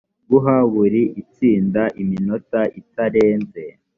guha buri itsinda iminota itarenze